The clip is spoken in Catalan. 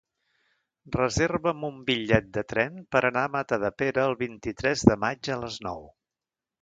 Reserva'm un bitllet de tren per anar a Matadepera el vint-i-tres de maig a les nou.